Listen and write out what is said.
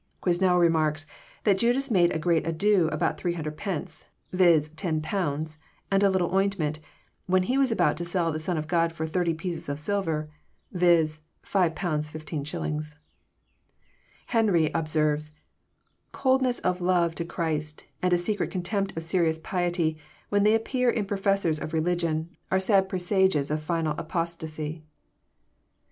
Quesnel remarks, that Judas made a great ado about 300 pence, — viz., £10, apd a little ointment, when he was about to sell the Son of God for 30 pieces of silver, — viz., £3 15s. Henry observe, " Coldness of love to Christ, and a secret contempt of serious piety, when they appear in professors of religion, are sad presages of final apostasy."